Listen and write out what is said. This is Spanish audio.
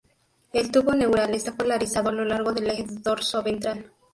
El tubo neural está polarizado a lo largo del eje dorsoventral.